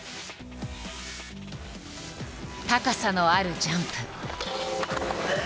高さのあるジャンプ。